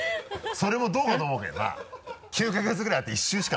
それもどうかと思うけど。